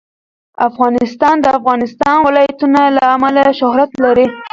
افغانستان د د افغانستان ولايتونه له امله شهرت لري.